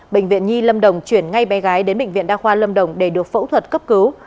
bệnh viện nhi lâm đồng chuyển ngay bé gái đến bệnh viện đa khoa lâm đồng để được phẫu thuật cấp cứu